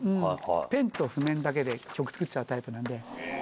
ペンと譜面だけで曲作っちゃうタイプなんで。